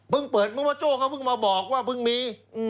เปิดเมื่อว่าโจ้เขาเพิ่งมาบอกว่าเพิ่งมี